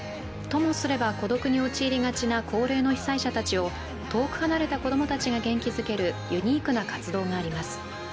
ともすれば孤独に陥りがちな高齢の被災者たちを遠く離れた子供たちが元気づけるユニークな活動があります。